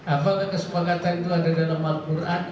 apakah kesepakatan itu ada dalam al quran